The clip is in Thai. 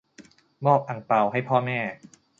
มอบอั่งเปาให้พ่อแม่